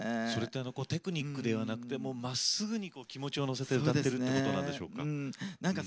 それってテクニックではなくてまっすぐに気持ちを乗せて歌ってるってことなんでしょうか。